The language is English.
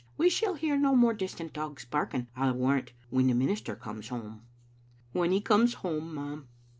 We shall hear no more distant dogs barking, I warrant, when the minister comes home. " "When he comes home, ma'am."